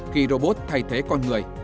khi robot thay thế con người